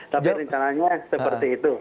tapi rencananya seperti itu